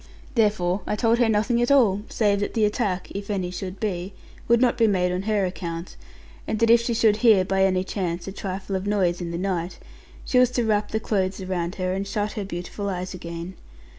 Therefore I told her nothing at all, save that the attack (if any should be) would not be made on her account; and that if she should hear, by any chance, a trifle of a noise in the night, she was to wrap the clothes around her, and shut her beautiful eyes again.